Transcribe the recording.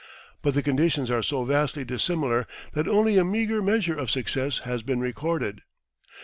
But the conditions are so vastly dissimilar that only a meagre measure of success has been recorded.